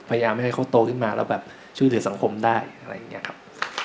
พยายามไม่ให้เขาโตขึ้นมาแล้วแบบช่วยเหลือสังคมได้อะไรอย่างนี้ครับ